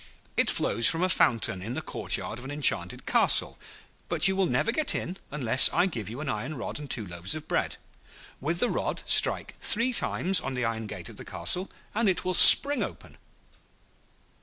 It flows from a fountain in the courtyard of an enchanted castle; but you will never get in unless I give you an iron rod and two loaves of bread. With the rod strike three times on the iron gate of the castle, and it will spring open.